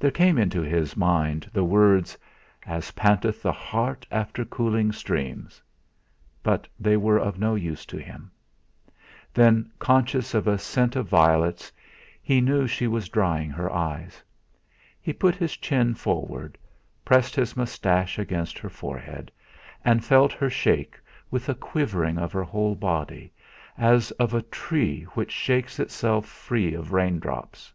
There came into his mind the words: 'As panteth the hart after cooling streams' but they were of no use to him. Then, conscious of a scent of violets, he knew she was drying her eyes. He put his chin forward, pressed his moustache against her forehead, and felt her shake with a quivering of her whole body, as of a tree which shakes itself free of raindrops.